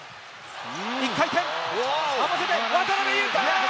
１回転合わせて渡邊雄太！